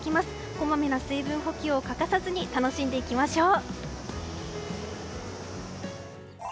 こまめな水分補給を欠かさずに楽しんでいきましょう。